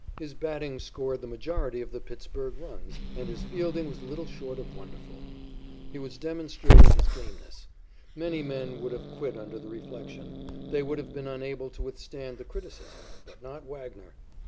His batting scored the majority of the Pittsburg runs, and his fielding was little short of wonderful. He was demonstrating his gameness. Many men would have quit under the reflection. They would have been unable to withstand the criticism, but not Wagner.